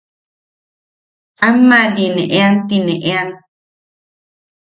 Ammaʼali ne ean ti ne ean.